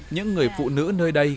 những người phụ nữ nơi đây